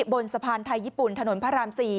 บนสะพานไทยญี่ปุ่นถนนพระราม๔